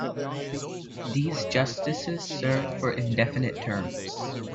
These justices served for indefinite terms.